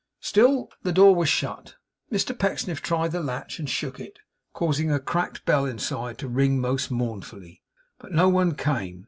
Still, the door was shut. Mr Pecksniff tried the latch, and shook it, causing a cracked bell inside to ring most mournfully; but no one came.